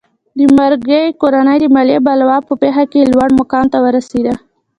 د مارګای کورنۍ د مالیې بلوا په پېښه کې لوړ مقام ته ورسېده.